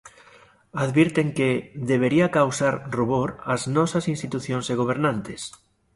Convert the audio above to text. Advirten que "debería causar rubor ás nosas institucións e gobernantes".